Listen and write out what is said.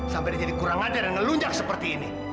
sampai dia jadi kurang ajar dan ngelunjak seperti ini